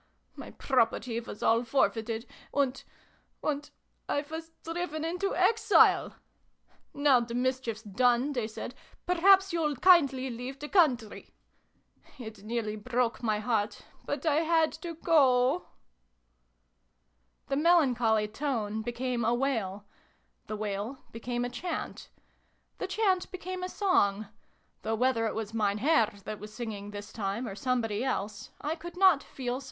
My property was all forfeited, and and 1 was driven into exile! ' Now the mischief's done,' they said, ' perhaps you'll kindly leave the country ?' It nearly broke my heart, but I had to go !" The melancholy tone became a wail : the wail became a chant : the chant became a song though whether it was Mein Herr that was singing, this time, or somebody else, I could not feel certain.